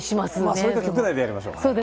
それは局内でやりましょう。